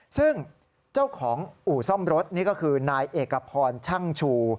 ซึ่งเจ้าของอู่ซ่อมรถนี่ก็คือนายเอกพรช่างชู